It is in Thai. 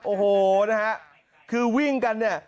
โอ้โหนะฮะคือวิ่งกันเนี่ย